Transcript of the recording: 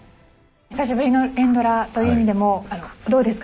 久しぶりの連ドラという意味でもどうですか？